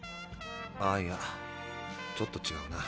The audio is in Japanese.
ああいやちょっとちがうな。